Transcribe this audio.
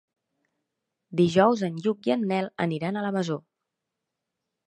Dijous en Lluc i en Nel aniran a la Masó.